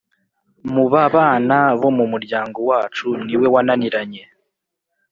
mu babana bo mu muryango wacu niwe wananiranye